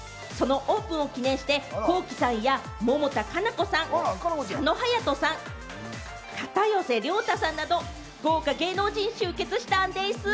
そのオープンを記念して、Ｋｏｋｉ，さんや百田夏菜子さん、佐野勇斗さん、片寄涼太さんなど豪華芸能人が集結したんでぃす。